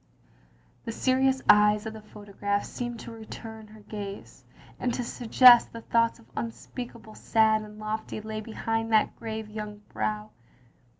"^ The serious eyes of the photograph seemed to return her gaze, and to suggest that thoughts unspeakably sad and lofty lay behind that grave young brow.